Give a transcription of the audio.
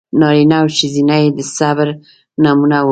نارینه او ښځینه یې د صبر نمونه و.